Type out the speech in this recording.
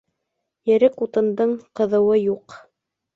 Ерек утындың ҡыҙыуы юҡ